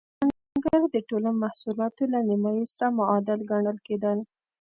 د کروندګرو د ټولو محصولاتو له نییمایي سره معادل ګڼل کېدل.